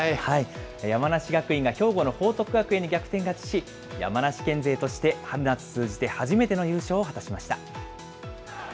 山梨学院が兵庫の報徳学園に逆転勝ちし、山梨県勢として春夏通じて初めての優勝を果たしました。